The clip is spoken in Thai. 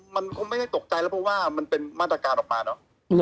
มันคงไม่ได้ตกใจแล้วเพราะว่ามันเป็นมาตรการออกมาเนอะ